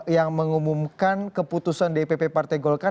yang mengumumkan keputusan dpp partai golkar